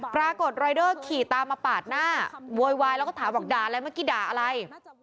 ปรากฏรายเดอร์ขี่ตามมาปาดหน้าโวยวายแล้วก็ถามบอกด่าอะไรเมื่อกี้ด่าอะไร